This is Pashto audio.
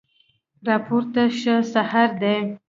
راپورته شه سحر دی